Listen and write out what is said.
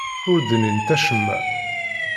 Ur d-nnint acemma.